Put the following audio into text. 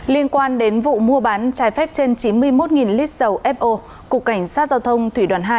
liên quan đến vụ mua bán trái phép trên chín mươi một lít dầu fo cục cảnh sát giao thông thủy đoàn hai